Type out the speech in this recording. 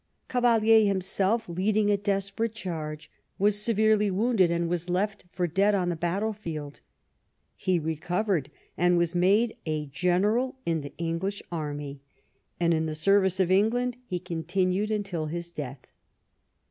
Ca valier himself, leading a desperate charge, was severely wounded, and was left for dead on the battle field. He recovered, and was made a general in the English army, and in the service of England he continued until his death.